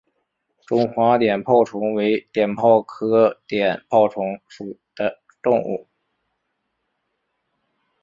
中华碘泡虫为碘泡科碘泡虫属的动物。